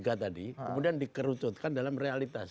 kemudian dikerucutkan dalam realitas